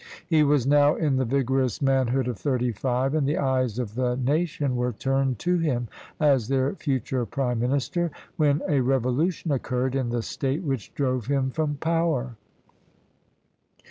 He was now in the vigorous man hood of thirty five, and the eyes of the nation were turned to him as their future prime minister, when a revolution occurred in the state which drove him from power.